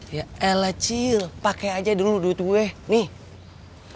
ya elah cil pakai aja dulu duit gue nih